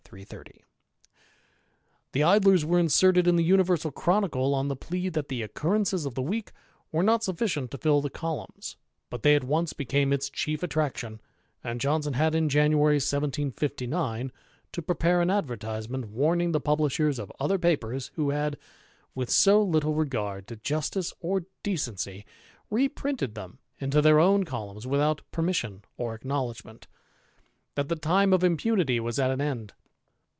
*'The Idlers were inserted in the Universal ^Aronicle on the plea that the 'occurrences of the week were not ^^ffident to fill the columns ;' but they at once became its chief attrac ^on, and Johnson had, in January 1759, to prepare an advertisement, ^iraming the publishers of other papers who had, ' with so little regard to justice or decency,' reprinted them into their own columns without |>ernu88ion or acknowledgment ; that the ' time of impunity was at an end.'